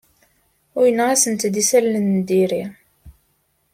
Uwyeɣ-asent-d isalan n diri.